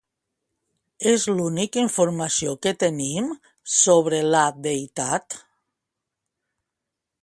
És l'única informació que tenim sobre la deïtat?